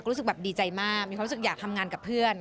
รู้สึกแบบดีใจมากมีความรู้สึกอยากทำงานกับเพื่อน